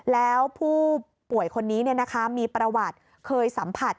แล้วผู้ป่วยคนนี้มีประวัติเคยสัมผัส